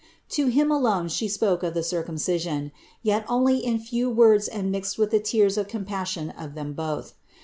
To him alone She spoke of the Circumcision ; yet only in 436 CITY OF GOD few words and mixed with the tears of compassion of them both.